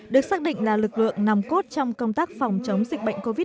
được xác định là lực lượng nằm cốt trong công tác phòng chống dịch bệnh covid một mươi chín